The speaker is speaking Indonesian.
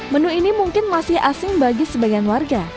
menu ini mungkin masih asing bagi sebagian warga